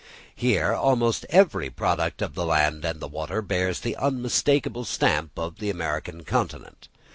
Here almost every product of the land and of the water bears the unmistakable stamp of the American continent.